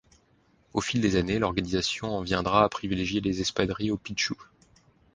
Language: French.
Au fil des années, l'organisation en viendra à privilégier les espadrilles aux pichous.